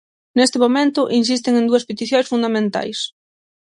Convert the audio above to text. Neste momento insisten en dúas peticións fundamentais.